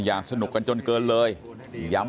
อย่าสนุกกันจนเกินเลย